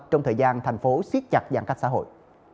trong thời gian thành phố siết chặt giãn cách xã hội